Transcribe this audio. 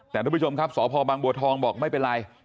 แต่ทุกผู้ชมครับสพบางบัวทองบอกไม่เป็นไร